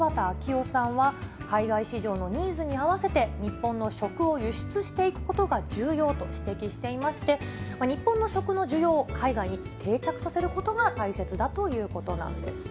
資源・しょくりょう問題研究所のしばたあきおさんは、海外市場のニーズに合わせて、日本の食を輸出していくことが重要と指摘していまして、日本の食の需要を海外に定着させることが大切だということなんです。